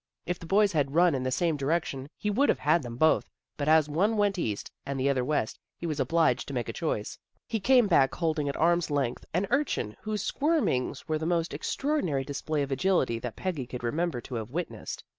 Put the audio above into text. If the boys had run in the same direction he would have had them both, but as one went east and the other west, he was obliged to make a choice. He came back holding at arm's length an urchin whose squirmings were the most extraordinary display of agility that Peggy could remember to have witnessed.